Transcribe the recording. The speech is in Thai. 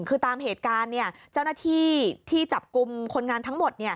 คือตามเหตุการณ์เจ้าหน้าที่ที่จับกลุ่มคนงานทั้งหมด